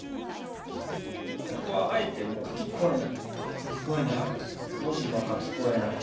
ここはあえて書き加えない？